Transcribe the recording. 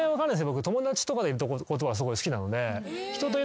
僕友達とかといることはすごい好きなので。